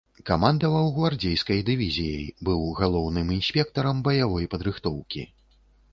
Камандаваў гвардзейскай дывізіяй, быў галоўным інспектарам баявой падрыхтоўкі.